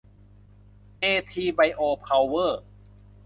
เอทีไบโอเพาเวอร์